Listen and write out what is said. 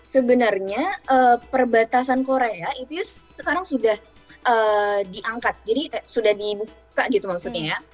sebenarnya perbatasan korea itu sekarang sudah diangkat jadi sudah dibuka gitu maksudnya ya